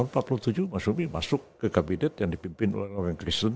tahun seribu sembilan ratus empat puluh tujuh masyumi masuk ke kabinet yang dipimpin oleh orang kristen